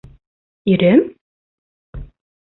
Ирем?